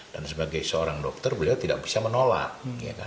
dan sebagai seorang dokter beliau tidak bisa menolak